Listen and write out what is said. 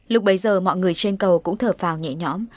lúc bấy giờ mọi người trên cầu cũng thở phào nhẹ nhõm